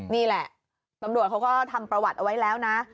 นี่แหละตำรวจเขาก็ทำประวัติเอาไว้แล้วนะ